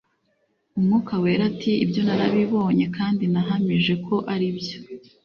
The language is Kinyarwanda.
umwuka wera ati Ibyo narabibonye kandi nahamije ko aribyo